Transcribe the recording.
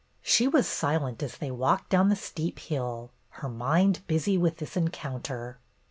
She was silent as they walked down the steep hill, her mind busy with this encounter.